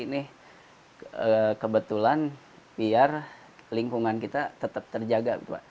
ini kebetulan biar lingkungan kita tetap terjaga